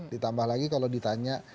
ditambah lagi kalau ditanya